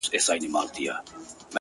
هر گړى خــوشـــالـــه اوســـــــــــې!!